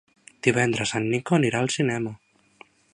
Divendres en Nico anirà al cinema.